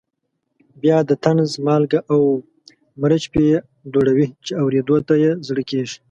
بیا د طنز مالګه او مرچ پرې دوړوي چې اورېدو ته یې زړه کېږي.